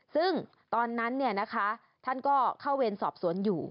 ซึ่งตอนนั้นท่านก็เข้าเวรสอบสวนอยู่